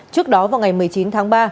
trước đó vào ngày một mươi chín tháng